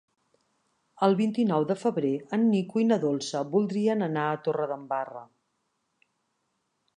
El vint-i-nou de febrer en Nico i na Dolça voldrien anar a Torredembarra.